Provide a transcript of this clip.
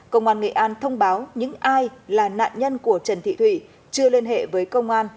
công an nghệ an thông báo những ai là nạn nhân của trần thị thủy chưa liên hệ với công an